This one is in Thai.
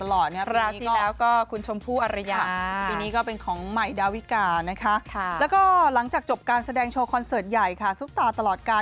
แล้วที่แล้วก็คุณชมพูอรรยาปีนี้ก็เป็นของใหม่ดาวิกาแล้วก็หลังจากจบการแสดงโชว์คอนเสิร์ตใหญ่ค่ะซุปตาตลอดการ